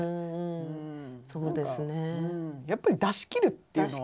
やっぱり出しきるっていうのは。